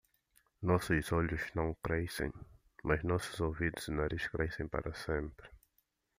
Nossos olhos não crescem?, mas nossos ouvidos e nariz crescem para sempre.